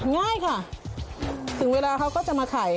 ง่ายค่ะถึงเวลาเขาก็จะมาไข่